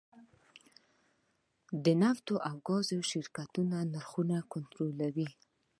د نفت او ګاز شرکت نرخونه کنټرولوي؟